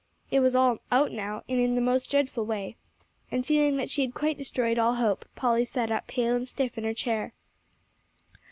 It was all out now, and in the most dreadful way. And feeling that she had quite destroyed all hope, Polly sat up pale and stiff in her chair.